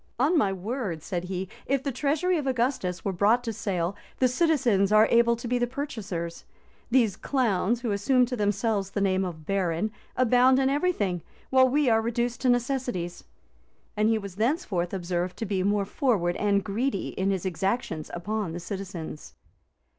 "On my word," said he, "if the treasury of Augustus were brought to sale, the citizens are able to be the purchasers: these clowns, who assume to themselves the name of barons, abound in every thing, while we are reduced to necessities." [*] And he was thenceforth observed to be more forward and greedy in his exactions upon the citizens.